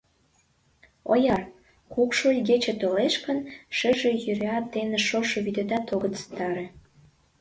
Ояр, кукшо игече толеш гын, шыже йӱрет ден шошо вӱдетат огыт ситаре!»